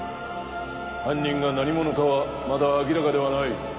犯人が何者かはまだ明らかではない。